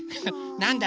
なんだ？